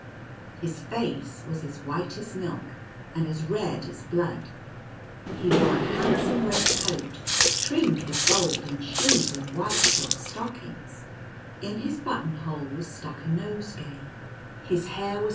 His face was as white as milk, and as red as blood ; he wore a handsome red coat, trimmed with gold, and shoes and white silk stockings ; in his button hole was stuck a nosegay ; his hair was 136 NUTCRACKER AND MOUSE KING.